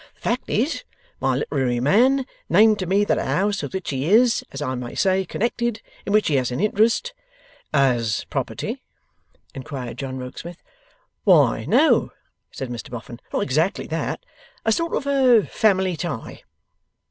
The fact is, my literary man named to me that a house with which he is, as I may say, connected in which he has an interest ' 'As property?' inquired John Rokesmith. 'Why no,' said Mr Boffin, 'not exactly that; a sort of a family tie.